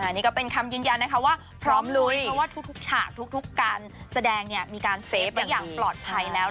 นี่ก็เป็นคำยืนยันนะคะว่าพร้อมลุยเพราะว่าทุกฉากทุกการแสดงเนี่ยมีการเซฟได้อย่างปลอดภัยแล้ว